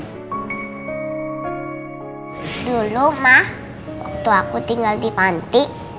dulu mah waktu aku tinggal di panti